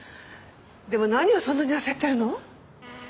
でも何をそんなに焦ってるの？